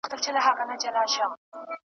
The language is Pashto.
جهاني وم په یارانو نازېدلی .